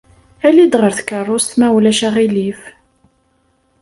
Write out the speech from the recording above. Ali-d ɣer tkeṛṛust, ma ulac aɣilif.